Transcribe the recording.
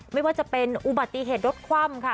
ไม่ว่าจะเป็นอุบัติเหตุรถคว่ำค่ะ